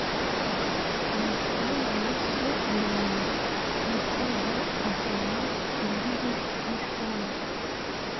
Amasambu ya so n’aya nyokorome ahana imbibi n’isambu